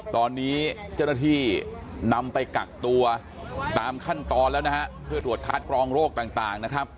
ตอนนี้เจ้าหน้าที่นำไปกักตัวตามขั้นตอนแล้วนะฮะเพื่อตรวจคัดกรองโรคต่างนะครับ